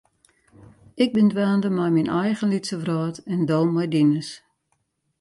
Ik bin dwaande mei myn eigen lytse wrâld en do mei dines.